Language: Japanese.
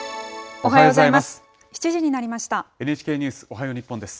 おはようございます。